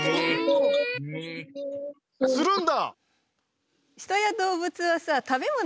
するんだ？